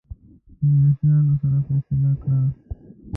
د انګلیسانو سره فیصله کړه.